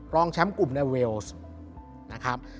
รองแชมป์กลุ่มในเวลส์นะครับ